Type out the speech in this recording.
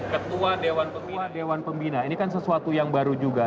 ketua dewan pembina ini kan sesuatu yang baru juga